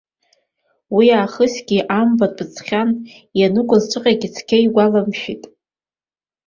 Уи аахысгьы амбатә ҵхьан, ианакәҵәҟьаз цқьа игәаламшәеит.